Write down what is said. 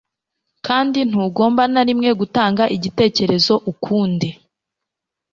kandi ntugomba na rimwe gutanga igitekerezo ukundi